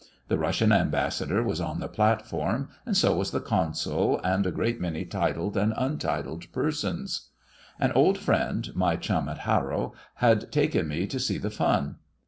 The Russian Ambassador was on the platform, and so was the Consul, and a great many titled and untitled persons. An old friend, my chum at Harrow, had taken me to see the fun.